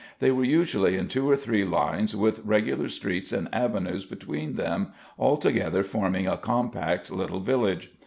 They were usually in two or three lines with regular streets and avenues between them, altogether forming a compact little village.